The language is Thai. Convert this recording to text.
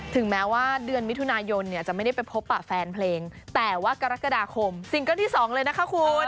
ถึงแม้ว่าเดือนมิถุนายนเนี่ยจะไม่ได้ไปพบปะแฟนเพลงแต่ว่ากรกฎาคมซิงเกิ้ลที่๒เลยนะคะคุณ